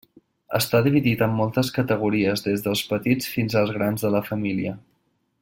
Està dividit en moltes categories des dels petits fins als grans de la família.